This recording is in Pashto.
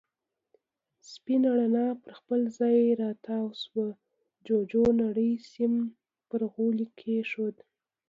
سپينه رڼا پر خپل ځای را تاوه شوه، جُوجُو نری سيم پر غولي کېښود.